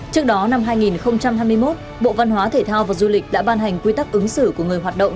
trước đó năm hai nghìn hai mươi một bộ văn hóa thể thao và du lịch đã ban hành quy tắc ứng xử của người hoạt động